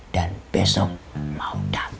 dan besok mau datang